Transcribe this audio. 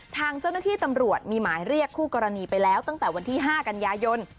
ทางเจ้าหน้าที่ตำรวจมีหมายเรียกคู่กรณีไปแล้วตั้งแต่วันที่๕กันยายน